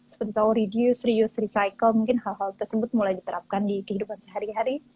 seperti tahu reduce reuse recycle mungkin hal hal tersebut mulai diterapkan di kehidupan sehari hari